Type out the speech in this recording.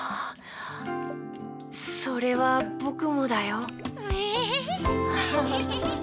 それはぼくもだよ。